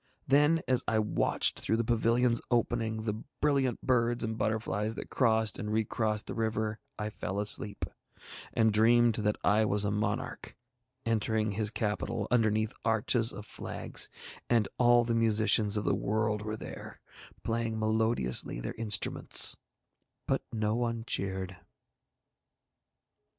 Then, as I watched through the pavilion's opening the brilliant birds and butterflies that crossed and recrossed over the river, I fell asleep, and dreamed that I was a monarch entering his capital underneath arches of flags, and all the musicians of the world were there, playing melodiously their instruments; but no one cheered.